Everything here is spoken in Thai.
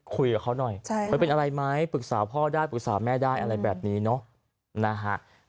คุยกับเขาหน่อยเป็นอะไรไหมปรึกษาพ่อได้ปรึกษาแม่ได้อะไรแบบนี้เนอะนะฮะ